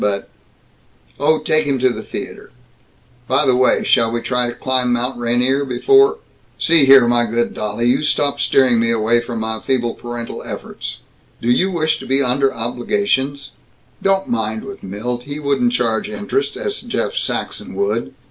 But Oh, take him to the theater. By the way; shall we try to climb Mount Rainier before " "See here, my good dolly; you stop steering me away from my feeble parental efforts. Do you wish to be under obligations " "Don't mind, with Milt. He wouldn't charge interest, as Jeff Saxton would.